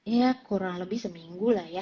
ya kurang lebih seminggu lah ya